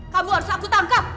kamu harus aku tangkap